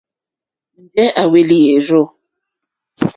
Njɛ̂ à hwélí èrzù.